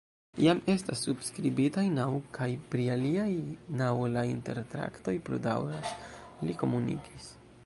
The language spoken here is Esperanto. Jam estas subskribitaj naŭ, kaj pri aliaj naŭ la intertraktoj plu daŭras, li komunikis.